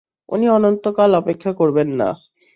উনি অনন্তকাল অপেক্ষা করবেন না!